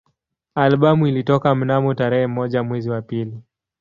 Albamu ilitoka mnamo tarehe moja mwezi wa pili